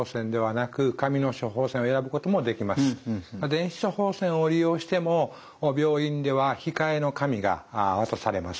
電子処方箋を利用しても病院では控えの紙が渡されます。